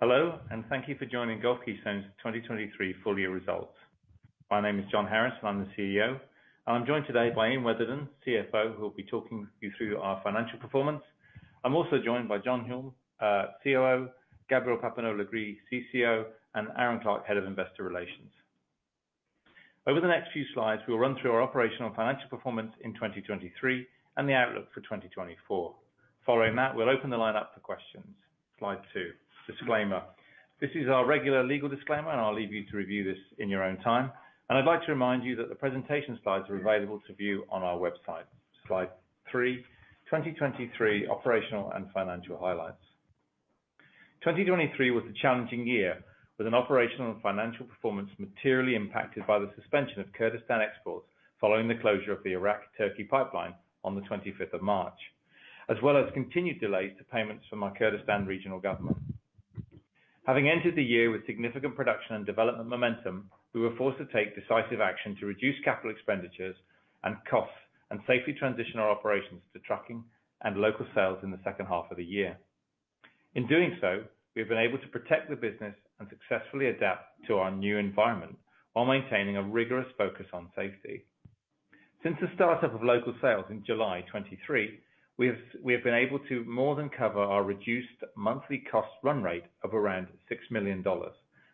Hello, and thank you for joining Gulf Keystone's 2023 full year results. My name is John Harris, and I'm the CEO, and I'm joined today by Ian Weatherdon, CFO, who will be talking you through our financial performance. I'm also joined by John Hulme, COO, Gabriel Papineau-Legris, CCO, and Aaron Clark, Head of Investor Relations. Over the next few slides, we'll run through our operational financial performance in 2023 and the outlook for 2024. Following that, we'll open the line up for questions. Slide 2, Disclaimer. This is our regular legal disclaimer, and I'll leave you to review this in your own time. And I'd like to remind you that the presentation slides are available to view on our website. Slide 3, 2023 Operational and Financial Highlights. 2023 was a challenging year, with an operational and financial performance materially impacted by the suspension of Kurdistan exports following the closure of the Iraq-Turkey Pipeline on the 25th of March, as well as continued delays to payments from our Kurdistan Regional Government. Having entered the year with significant production and development momentum, we were forced to take decisive action to reduce capital expenditures and costs and safely transition our operations to trucking and local sales in the second half of the year. In doing so, we've been able to protect the business and successfully adapt to our new environment while maintaining a rigorous focus on safety. Since the start-up of local sales in July 2023, we have been able to more than cover our reduced monthly cost run rate of around $6 million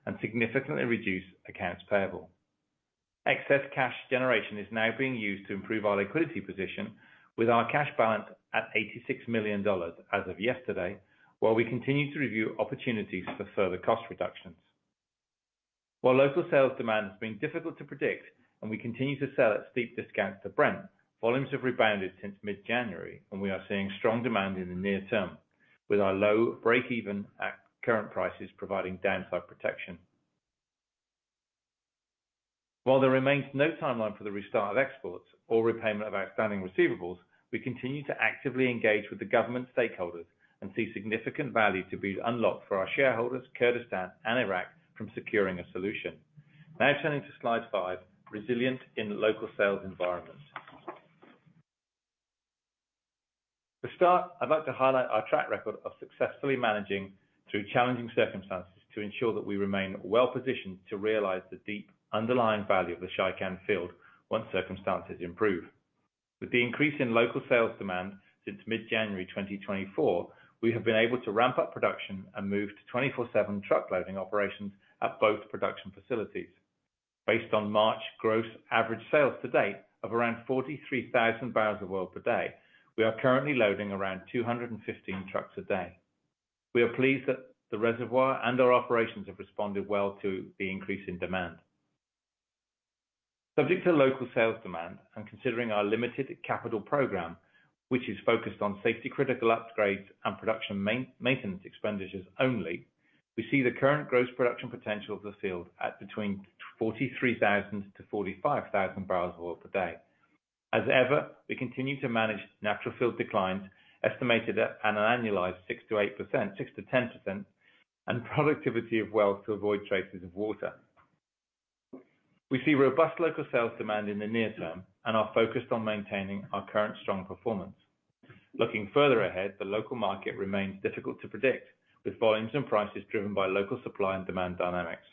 and significantly reduce accounts payable. Excess cash generation is now being used to improve our liquidity position with our cash balance at $86 million as of yesterday, while we continue to review opportunities for further cost reductions. While local sales demand has been difficult to predict, and we continue to sell at steep discounts to Brent, volumes have rebounded since mid-January, and we are seeing strong demand in the near term, with our low break-even at current prices providing downside protection. While there remains no timeline for the restart of exports or repayment of outstanding receivables, we continue to actively engage with the government stakeholders and see significant value to be unlocked for our shareholders, Kurdistan and Iraq, from securing a solution. Now turning to Slide 5, Resilient in Local Sales Environment. To start, I'd like to highlight our track record of successfully managing through challenging circumstances to ensure that we remain well-positioned to realize the deep underlying value of the Shaikan Field once circumstances improve. With the increase in local sales demand since mid-January 2024, we have been able to ramp up production and move to 24/7 truck loading operations at both production facilities. Based on March gross average sales to date of around 43,000 barrels of oil per day, we are currently loading around 215 trucks a day. We are pleased that the reservoir and our operations have responded well to the increase in demand. Subject to local sales demand and considering our limited capital program, which is focused on safety-critical upgrades and production maintenance expenditures only, we see the current gross production potential of the field at between 43,000-45,000 barrels of oil per day. As ever, we continue to manage natural field declines, estimated at an annualized 6%-10%, and productivity of wells to avoid traces of water. We see robust local sales demand in the near term and are focused on maintaining our current strong performance. Looking further ahead, the local market remains difficult to predict, with volumes and prices driven by local supply and demand dynamics.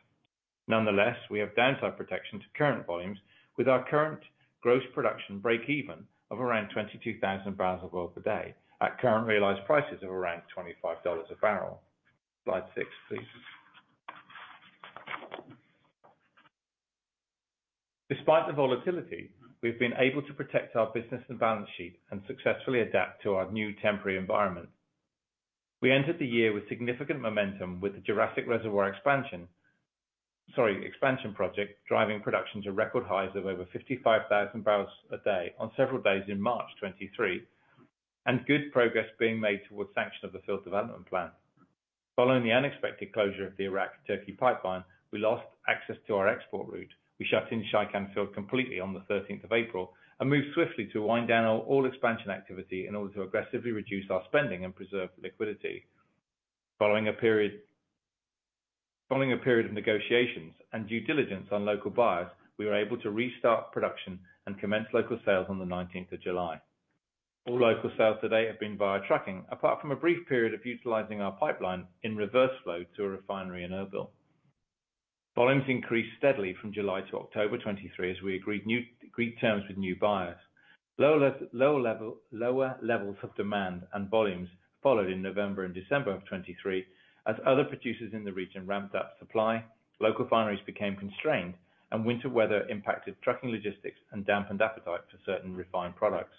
Nonetheless, we have downside protection to current volumes, with our current gross production break-even of around 22,000 barrels of oil per day at current realized prices of around $25 a barrel. Slide six, please. Despite the volatility, we've been able to protect our business and balance sheet and successfully adapt to our new temporary environment. We entered the year with significant momentum, with the Jurassic Reservoir expansion, sorry, expansion project, driving production to record highs of over 55,000 barrels a day on several days in March 2023, and good progress being made towards sanction of the field development plan. Following the unexpected closure of the Iraq-Turkey pipeline, we lost access to our export route. We shut in Shaikan Field completely on the thirteenth of April and moved swiftly to wind down all expansion activity in order to aggressively reduce our spending and preserve liquidity. Following a period of negotiations and due diligence on local buyers, we were able to restart production and commence local sales on the nineteenth of July. All local sales to date have been via trucking, apart from a brief period of utilizing our pipeline in reverse flow to a refinery in Erbil. Volumes increased steadily from July to October 2023 as we agreed new terms with new buyers. Lower levels of demand and volumes followed in November and December of 2023 as other producers in the region ramped up supply, local refineries became constrained, and winter weather impacted trucking logistics and dampened appetite for certain refined products.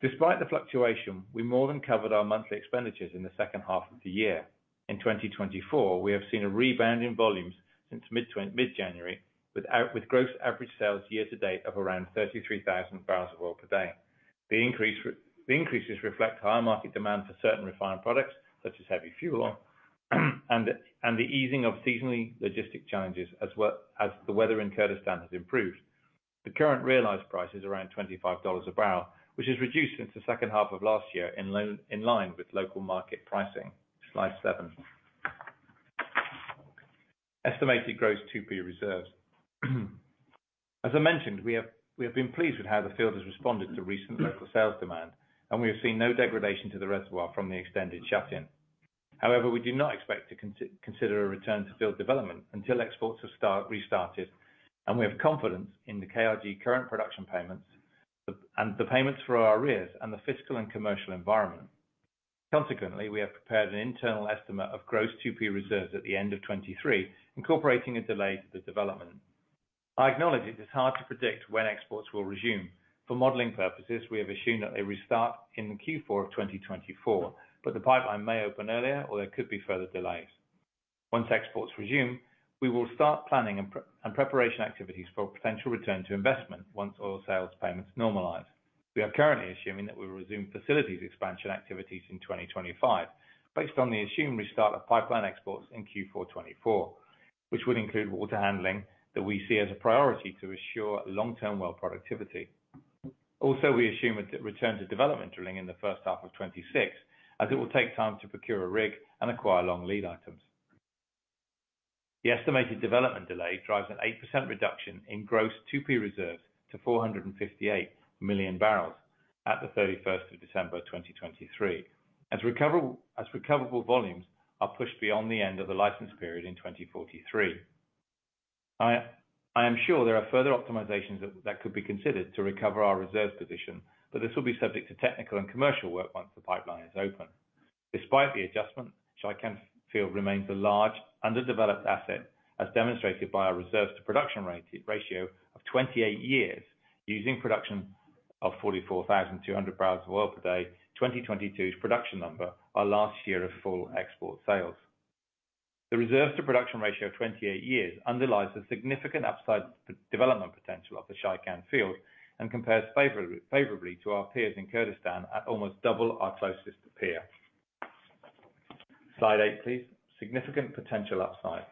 Despite the fluctuation, we more than covered our monthly expenditures in the second half of the year. In 2024, we have seen a rebound in volumes since mid-January, with gross average sales year to date of around 33,000 barrels of oil per day. The increases reflect higher market demand for certain refined products, such as heavy fuel oil, and the easing of seasonal logistical challenges, as the weather in Kurdistan has improved. The current realized price is around $25 a barrel, which has reduced since the second half of last year, in line with local market pricing. Slide seven. Estimated gross 2P reserves. As I mentioned, we have been pleased with how the field has responded to recent local sales demand, and we have seen no degradation to the reservoir from the extended shut-in. However, we do not expect to consider a return to field development until exports have restarted, and we have confidence in the KRG current production payments, and the payments for our arrears and the fiscal and commercial environment. Consequently, we have prepared an internal estimate of gross 2P reserves at the end of 2023, incorporating a delay to the development. I acknowledge it is hard to predict when exports will resume. For modeling purposes, we have assumed that they restart in Q4 of 2024, but the pipeline may open earlier or there could be further delays. Once exports resume, we will start planning and preparation activities for potential return to investment once oil sales payments normalize. We are currently assuming that we will resume facilities expansion activities in 2025, based on the assumed restart of pipeline exports in Q4 2024, which would include water handling that we see as a priority to ensure long-term well productivity. Also, we assume a return to development drilling in the first half of 2026, as it will take time to procure a rig and acquire long lead items. The estimated development delay drives an 8% reduction in gross 2P reserves to 458 million barrels at the thirty-first of December 2023. As recoverable volumes are pushed beyond the end of the license period in 2043. I am sure there are further optimizations that could be considered to recover our reserve position, but this will be subject to technical and commercial work once the pipeline is open. Despite the adjustment, Shaikan Field remains a large, underdeveloped asset, as demonstrated by our reserves to production rate ratio of 28 years, using production of 44,200 barrels of oil per day, 2022's production number, our last year of full export sales. The reserves to production ratio of 28 years underlies the significant upside potential of the Shaikan Field and compares favorably to our peers in Kurdistan at almost double our closest peer. Slide 8, please. Significant potential upside.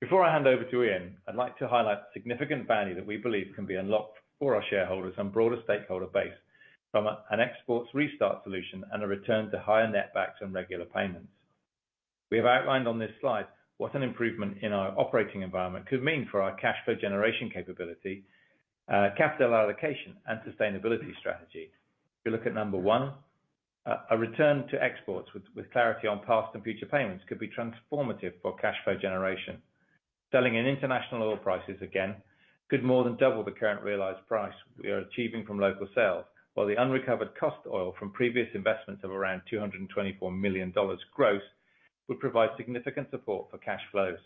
Before I hand over to Ian, I'd like to highlight the significant value that we believe can be unlocked for our shareholders and broader stakeholder base from an exports restart solution and a return to higher netbacks and regular payments. We have outlined on this slide what an improvement in our operating environment could mean for our cash flow generation capability, capital allocation, and sustainability strategy. If you look at number 1, a return to exports with clarity on past and future payments could be transformative for cash flow generation. Selling in international oil prices again could more than double the current realized price we are achieving from local sales, while the unrecovered cost oil from previous investments of around $224 million gross would provide significant support for cash flows.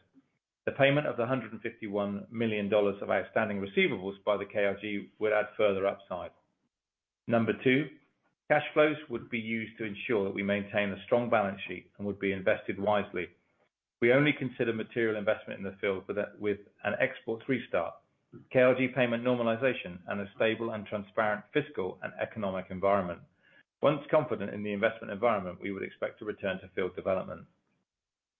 The payment of the $151 million of outstanding receivables by the KRG would add further upside. Number 2, cash flows would be used to ensure that we maintain a strong balance sheet and would be invested wisely. We only consider material investment in the field with an export restart, KRG payment normalization, and a stable and transparent fiscal and economic environment. Once confident in the investment environment, we would expect to return to field development.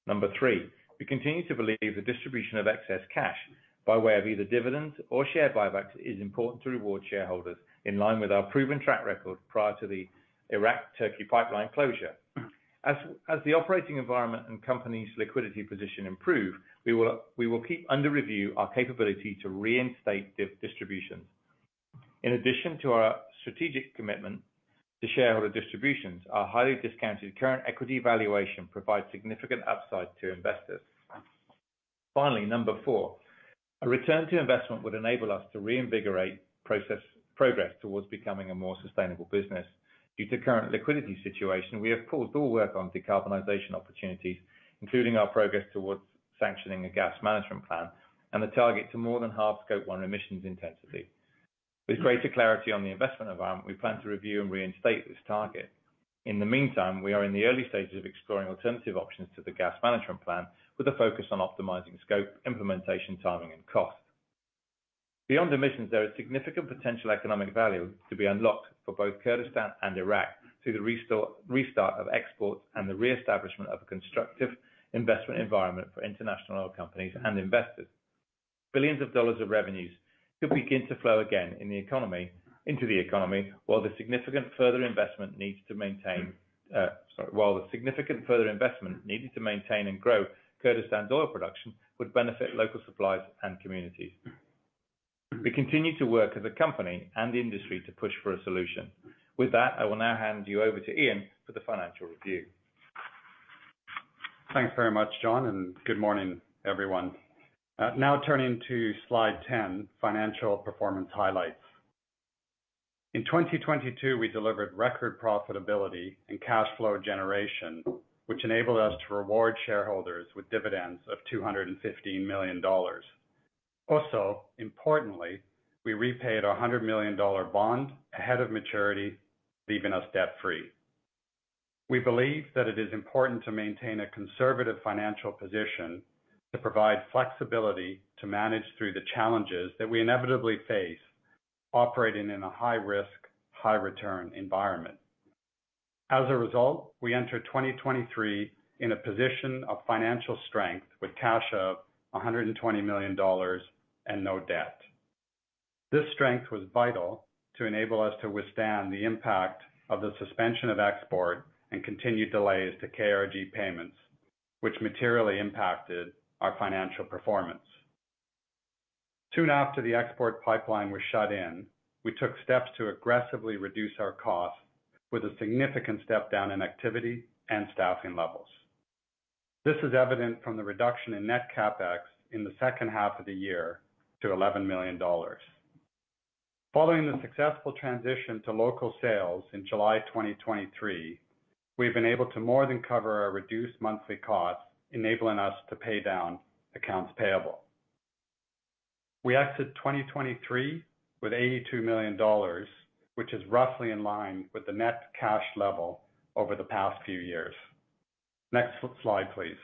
Number three, we continue to believe the distribution of excess cash, by way of either dividends or share buybacks, is important to reward shareholders in line with our proven track record prior to the Iraq-Turkey Pipeline closure. As the operating environment and company's liquidity position improve, we will keep under review our capability to reinstate distributions. In addition to our strategic commitment to shareholder distributions, our highly discounted current equity valuation provides significant upside to investors. Finally, number four, a return to investment would enable us to reinvigorate progress towards becoming a more sustainable business. Due to current liquidity situation, we have paused all work on decarbonization opportunities, including our progress towards sanctioning a gas management plan and the target to more than half Scope 1 emissions intensity. With greater clarity on the investment environment, we plan to review and reinstate this target. In the meantime, we are in the early stages of exploring alternative options to the gas management plan, with a focus on optimizing scope, implementation, timing, and cost. Beyond emissions, there is significant potential economic value to be unlocked for both Kurdistan and Iraq through the restart of exports and the reestablishment of a constructive investment environment for international oil companies and investors. Billions of dollars of revenues could begin to flow again into the economy, while the significant further investment needed to maintain and grow Kurdistan's oil production would benefit local suppliers and communities. We continue to work as a company and industry to push for a solution. With that, I will now hand you over to Ian for the financial review. Thanks very much, John, and good morning, everyone. Now turning to slide 10, Financial Performance Highlights. In 2022, we delivered record profitability and cash flow generation, which enabled us to reward shareholders with dividends of $215 million. Also, importantly, we repaid our $100 million bond ahead of maturity, leaving us debt-free. We believe that it is important to maintain a conservative financial position to provide flexibility to manage through the challenges that we inevitably face operating in a high-risk, high-return environment. As a result, we entered 2023 in a position of financial strength with cash of $120 million and no debt. This strength was vital to enable us to withstand the impact of the suspension of export and continued delays to KRG payments, which materially impacted our financial performance. Soon after the export pipeline was shut in, we took steps to aggressively reduce our costs with a significant step down in activity and staffing levels. This is evident from the reduction in net CapEx in the second half of the year to $11 million. Following the successful transition to local sales in July 2023, we've been able to more than cover our reduced monthly costs, enabling us to pay down accounts payable. We exited 2023 with $82 million, which is roughly in line with the net cash level over the past few years. Next slide, please.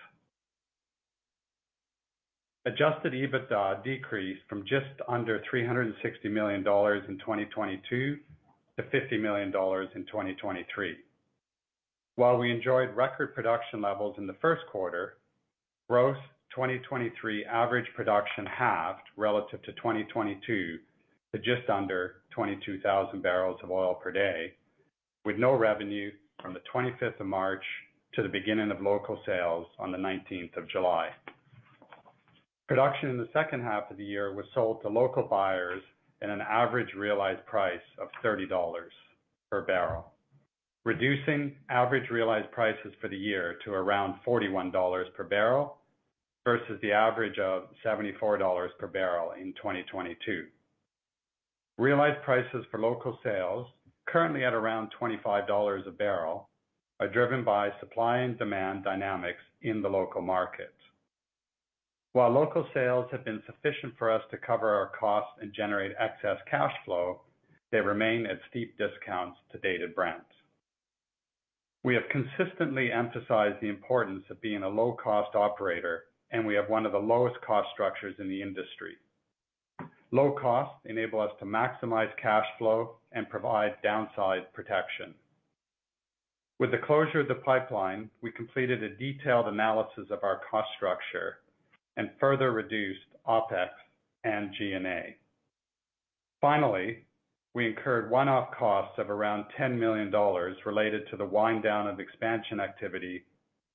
Adjusted EBITDA decreased from just under $360 million in 2022 to $50 million in 2023. While we enjoyed record production levels in the first quarter, gross 2023 average production halved relative to 2022 to just under 22,000 barrels of oil per day, with no revenue from the 25th of March to the beginning of local sales on the 19th of July. Production in the second half of the year was sold to local buyers at an average realized price of $30 per barrel, reducing average realized prices for the year to around $41 per barrel, versus the average of $74 per barrel in 2022. Realized prices for local sales, currently at around $25 a barrel, are driven by supply and demand dynamics in the local market. While local sales have been sufficient for us to cover our costs and generate excess cash flow, they remain at steep discounts to Dated Brent. We have consistently emphasized the importance of being a low-cost operator, and we have one of the lowest cost structures in the industry. Low costs enable us to maximize cash flow and provide downside protection. With the closure of the pipeline, we completed a detailed analysis of our cost structure and further reduced OpEx and G&A. Finally, we incurred one-off costs of around $10 million related to the wind down of expansion activity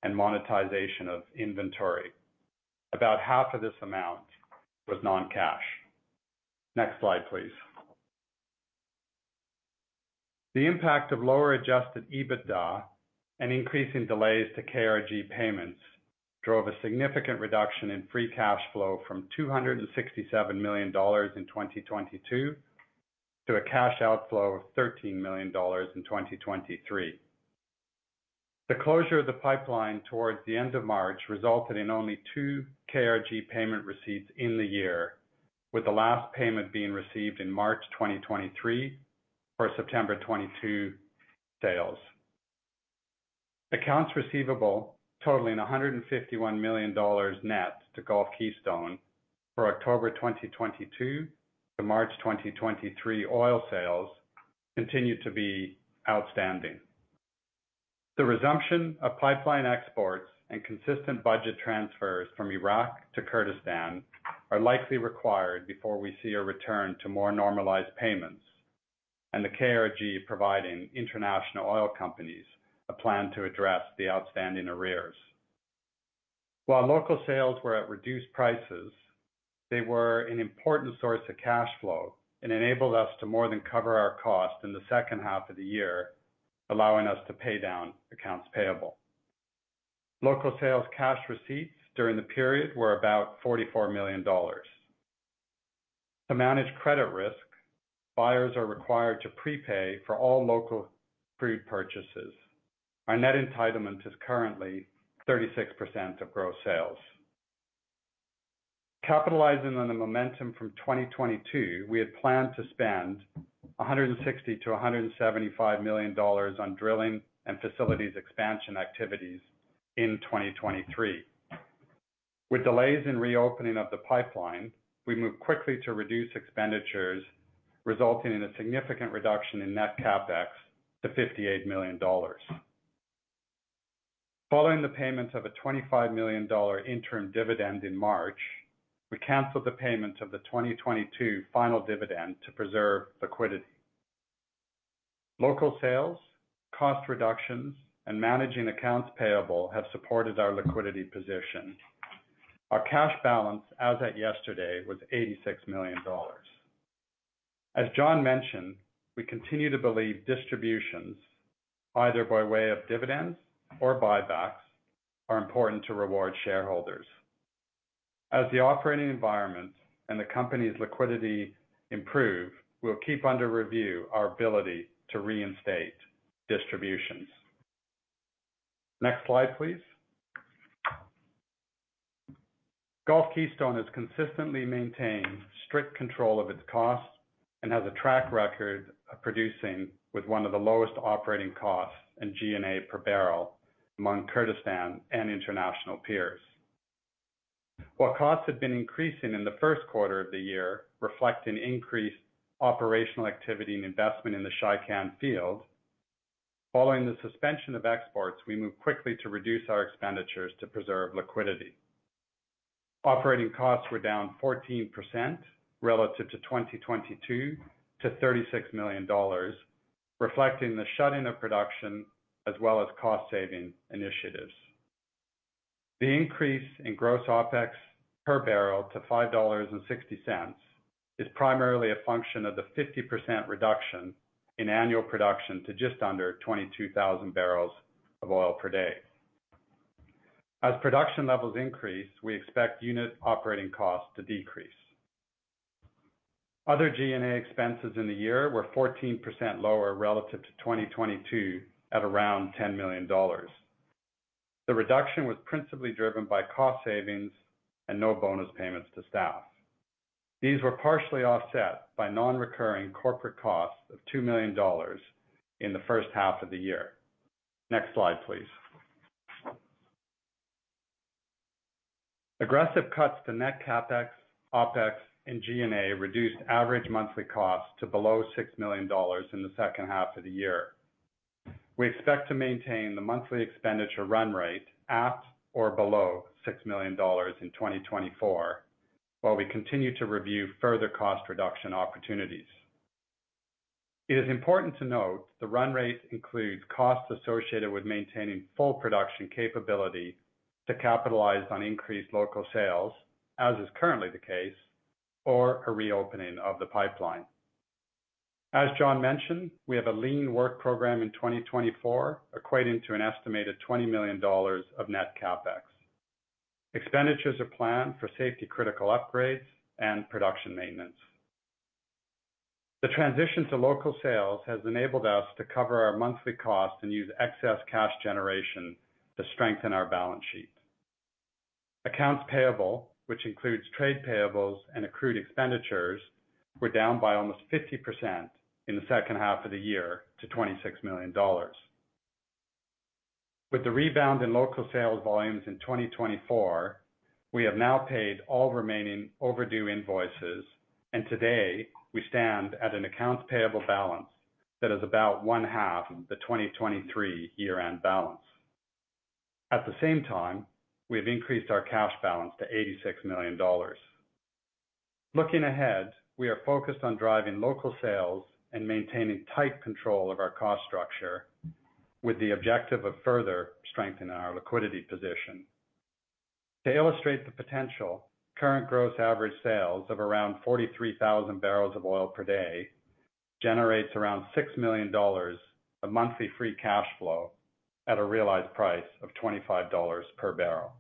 and monetization of inventory. About half of this amount was non-cash. Next slide, please. The impact of lower adjusted EBITDA and increasing delays to KRG payments drove a significant reduction in free cash flow from $267 million in 2022 to a cash outflow of $13 million in 2023. The closure of the pipeline towards the end of March resulted in only 2 KRG payment receipts in the year, with the last payment being received in March 2023 for September 2022 sales. Accounts receivable totaling $151 million net to Gulf Keystone for October 2022 to March 2023 oil sales continue to be outstanding. The resumption of pipeline exports and consistent budget transfers from Iraq to Kurdistan are likely required before we see a return to more normalized payments and the KRG providing international oil companies a plan to address the outstanding arrears. While local sales were at reduced prices, they were an important source of cash flow and enabled us to more than cover our costs in the second half of the year, allowing us to pay down accounts payable. Local sales cash receipts during the period were about $44 million. To manage credit risk, buyers are required to prepay for all local crude purchases. Our net entitlement is currently 36% of gross sales. Capitalizing on the momentum from 2022, we had planned to spend $160 million-$175 million on drilling and facilities expansion activities in 2023. With delays in reopening of the pipeline, we moved quickly to reduce expenditures, resulting in a significant reduction in net CapEx to $58 million. Following the payment of a $25 million interim dividend in March, we canceled the payment of the 2022 final dividend to preserve liquidity. Local sales, cost reductions, and managing accounts payable have supported our liquidity position. Our cash balance as at yesterday was $86 million. As John mentioned, we continue to believe distributions, either by way of dividends or buybacks, are important to reward shareholders. As the operating environment and the company's liquidity improve, we'll keep under review our ability to reinstate distributions. Next slide, please. Gulf Keystone has consistently maintained strict control of its costs and has a track record of producing with one of the lowest operating costs and G&A per barrel among Kurdistan and international peers. While costs have been increasing in the first quarter of the year, reflecting increased operational activity and investment in the Shaikan field. Following the suspension of exports, we moved quickly to reduce our expenditures to preserve liquidity. Operating costs were down 14% relative to 2022 to $36 million, reflecting the shutting of production as well as cost saving initiatives. The increase in gross OpEx per barrel to $5.60 is primarily a function of the 50% reduction in annual production to just under 22,000 barrels of oil per day. As production levels increase, we expect unit operating costs to decrease. Other G&A expenses in the year were 14% lower relative to 2022, at around $10 million. The reduction was principally driven by cost savings and no bonus payments to staff. These were partially offset by non-recurring corporate costs of $2 million in the first half of the year. Next slide, please. Aggressive cuts to net CapEx, OpEx, and G&A reduced average monthly costs to below $6 million in the second half of the year. We expect to maintain the monthly expenditure run rate at or below $6 million in 2024, while we continue to review further cost reduction opportunities. It is important to note the run rate includes costs associated with maintaining full production capability to capitalize on increased local sales, as is currently the case, or a reopening of the pipeline. As John mentioned, we have a lean work program in 2024, equating to an estimated $20 million of net CapEx. Expenditures are planned for safety-critical upgrades and production maintenance. The transition to local sales has enabled us to cover our monthly costs and use excess cash generation to strengthen our balance sheet. Accounts payable, which includes trade payables and accrued expenditures, were down by almost 50% in the second half of the year to $26 million. With the rebound in local sales volumes in 2024, we have now paid all remaining overdue invoices, and today we stand at an accounts payable balance that is about one half of the 2023 year-end balance. At the same time, we have increased our cash balance to $86 million. Looking ahead, we are focused on driving local sales and maintaining tight control of our cost structure, with the objective of further strengthening our liquidity position. To illustrate the potential, current gross average sales of around 43,000 barrels of oil per day generates around $6 million of monthly free cash flow at a realized price of $25 per barrel.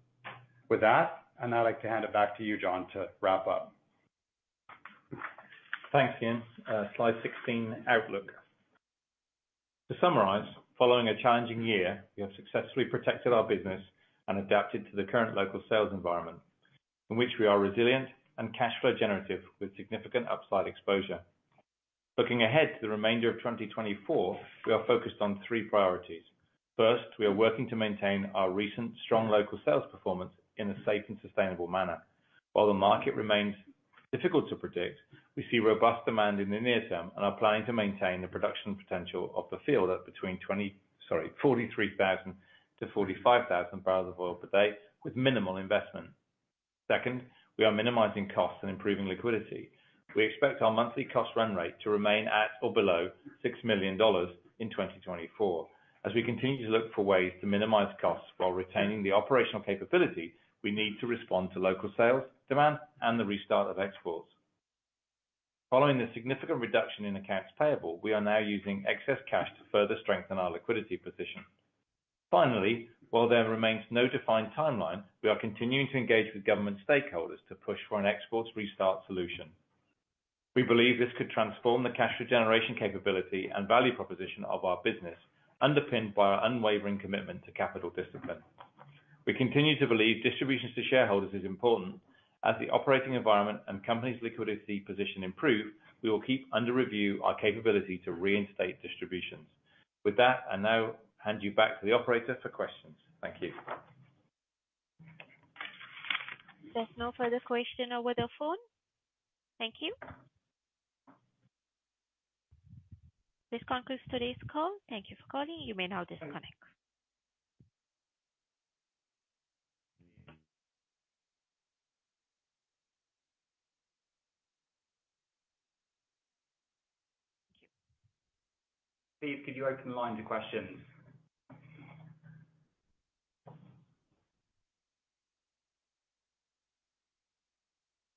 With that, I'd now like to hand it back to you, John, to wrap up. Thanks, Ian. Slide 16, outlook. To summarize, following a challenging year, we have successfully protected our business and adapted to the current local sales environment, in which we are resilient and cash flow generative with significant upside exposure. Looking ahead to the remainder of 2024, we are focused on three priorities. First, we are working to maintain our recent strong local sales performance in a safe and sustainable manner. While the market remains difficult to predict, we see robust demand in the near term and are planning to maintain the production potential of the field at between twenty... Sorry, 43,000-45,000 barrels of oil per day with minimal investment. Second, we are minimizing costs and improving liquidity. We expect our monthly cost run rate to remain at or below $6 million in 2024, as we continue to look for ways to minimize costs while retaining the operational capability we need to respond to local sales, demand, and the restart of exports. Following the significant reduction in accounts payable, we are now using excess cash to further strengthen our liquidity position. Finally, while there remains no defined timeline, we are continuing to engage with government stakeholders to push for an exports restart solution. We believe this could transform the cash generation capability and value proposition of our business, underpinned by our unwavering commitment to capital discipline. We continue to believe distributions to shareholders is important. As the operating environment and company's liquidity position improve, we will keep under review our capability to reinstate distributions. With that, I now hand you back to the operator for questions. Thank you. There's no further question over the phone. Thank you. This concludes today's call. Thank you for calling. You may now disconnect. Steve, could you open the line to questions?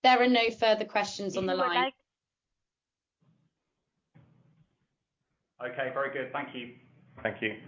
There are no further questions on the line. Okay, very good. Thank you. Thank you.